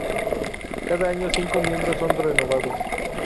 Cada año, cinco miembros son renovados.